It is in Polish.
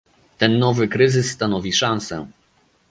Ten nowy kryzys stanowi szansę